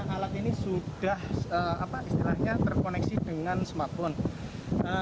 alat ini sudah terkoneksi dengan smartphone